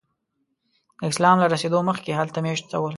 د اسلام له رسېدو مخکې هلته میشته ول.